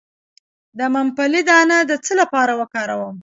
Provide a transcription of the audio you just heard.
د ممپلی دانه د څه لپاره وکاروم؟